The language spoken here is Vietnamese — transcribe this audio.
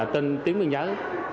tên tuyến biên giới